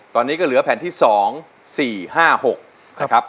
ตอนนี้ก็เหลือแผ่นที่๒๔๕๖นะครับ